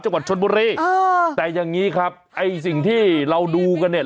จังหวัดชนบุรีเออแต่อย่างงี้ครับไอ้สิ่งที่เราดูกันเนี่ย